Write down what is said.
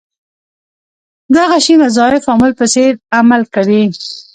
دغه شي مضاعف عامل په څېر عمل کړی.